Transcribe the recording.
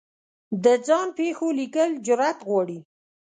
د ځان پېښو لیکل جرعت غواړي.